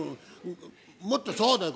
もっとそうだよ